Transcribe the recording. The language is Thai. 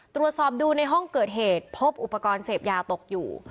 ตรวจสอบดูในห้องเกิดเหตุพบอุปกรณ์เสพยาตกอยู่